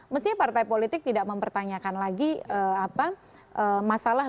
mesti partai politik tidak mempertanyakan lagi masalah legislatif